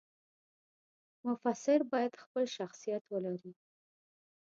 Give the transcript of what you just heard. مفسر باید خپل شخصیت ولري.